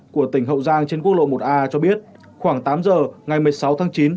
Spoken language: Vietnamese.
của tỉnh hậu giang trên quốc lộ một a cho biết khoảng tám giờ ngày một mươi sáu tháng chín